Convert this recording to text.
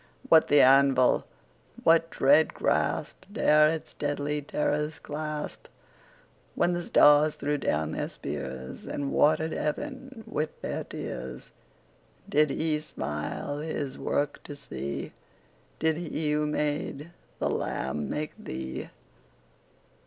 What the anvil? What dread grasp 15 Dare its deadly terrors clasp? When the stars threw down their spears, And water'd heaven with their tears, Did He smile His work to see? Did He who made the lamb make thee?